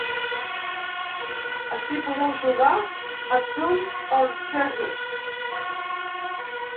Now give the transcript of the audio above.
Ací podeu jugar a ‘Trump or Jesus’